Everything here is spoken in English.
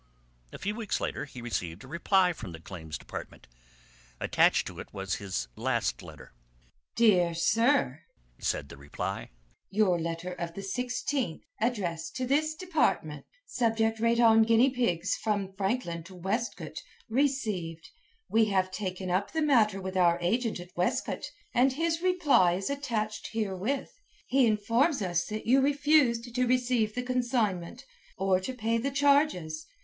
A few weeks later he received a reply from the Claims Department. Attached to it was his last letter. "Dr. Sir," said the reply. "Your letter of the 16th inst., addressed to this Department, subject rate on guinea pigs from Franklin to Westcote, ree'd. We have taken up the matter with our agent at Westcote, and his reply is attached herewith. He informs us that you refused to receive the consignment or to pay the charges.